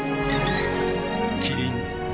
キリン「陸」